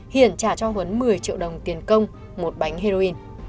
hiển trả cho huấn một mươi triệu đồng tiền công một bánh heroin